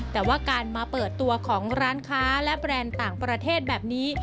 แต่ว่าการมาเปิดตัวของร้านค้าและแบรนด์ต่างประเทศแบบนี้